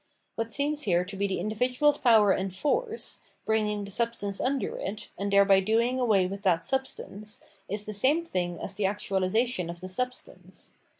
T^at seems here to be the individuars power and force, bringing the substance tmder it, and thereby doing away with that substance, is the same thing as the actuahsation of the substance.